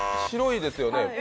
白いですよね。